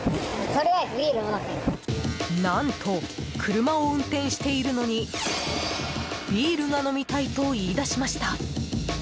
何と、車を運転しているのにビールが飲みたいと言い出しました。